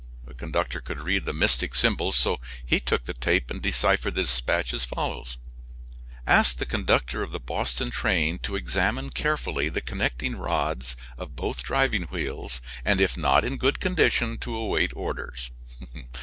The conductor could read the mystic symbols, so he took the tape and deciphered the dispatch as follows: "Ask the conductor of the Boston train to examine carefully the connecting rods of both driving wheels, and if not in good condition to await orders."